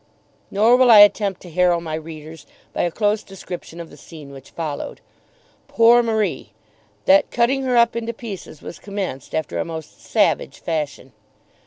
Nor will I attempt to harrow my readers by a close description of the scene which followed. Poor Marie! That cutting her up into pieces was commenced after a most savage fashion.